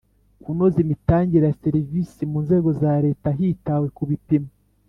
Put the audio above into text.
Kunoza imitangire ya serivisi mu nzego za leta hitawe ku bipimo